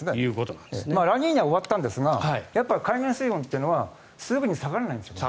ラニーニャは終わったんですが海面水温というのはすぐに下がらないんですね。